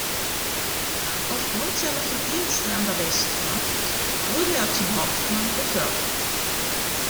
Aufgrund seiner Verdienste an der Westfront, wurde er zum Hauptmann befördert.